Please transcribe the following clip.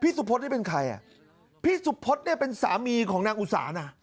สุพธนี่เป็นใครอ่ะพี่สุพธเนี่ยเป็นสามีของนางอุสานะ